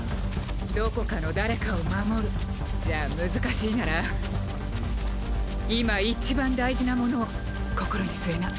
「どこかの誰かを守る」じゃ難しいなら今一番大事なものを心に据えな。